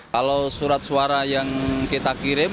kalau surat suara tiga hingga enam kecamatan setiap hari